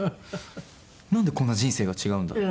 なんでこんな人生が違うんだ？